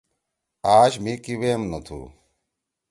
آش مھی کی ویم نہ تُھو۔